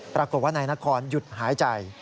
ปรากฏว่านายนครหยุดหายใจ